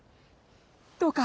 どうか！